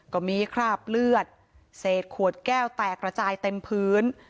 ก็มีคราบเลือดเศษขวดแก้วแตกระจายเต็มพื้น